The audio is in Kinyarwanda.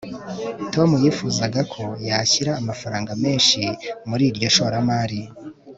tom yifuzaga ko yashyira amafaranga menshi muri iryo shoramari